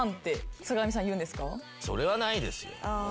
それはないですよ。